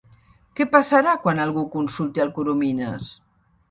¿Què passarà quan algú consulti el Coromines?